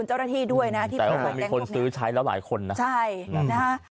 ใช่แต่ว่ามีคนซื้อใช้แล้วหลายคนนะครับใช่ขอบคุณเจ้าหน้าที่ด้วยนะ